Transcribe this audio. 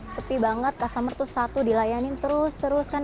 sepi banget customer tuh satu dilayanin terus terus kan